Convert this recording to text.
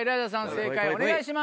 正解お願いします。